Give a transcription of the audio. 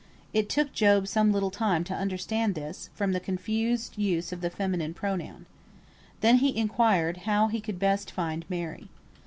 It took Job some little time to understand this, from the confused use of the feminine pronoun. Then he inquired how he could best find Mary.